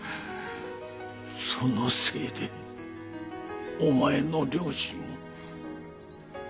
そのせいでお前の両親も。